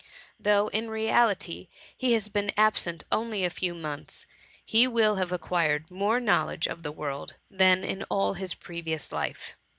Though in reality he has been ab sent only a few months, he will have acquired more knowledge of the world, than in all his previous life.